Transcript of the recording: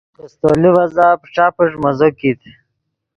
خیستو لیڤزا پݯا پݯ مزو کیت